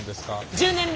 １０年目。